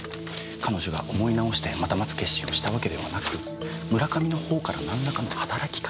彼女が思い直してまた待つ決心をしたわけではなく村上のほうからなんらかの働きかけがあった。